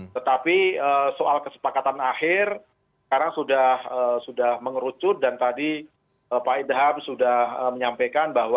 tetapi soal kesepakatan akhir sekarang sudah mengerucut dan tadi pak idham sudah menyampaikan bahwa